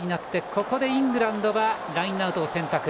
ここでイングランドはラインアウトを選択。